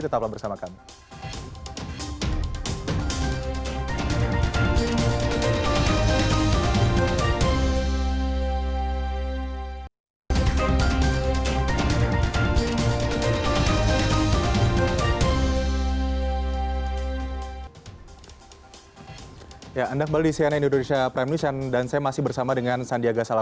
tetaplah bersama kami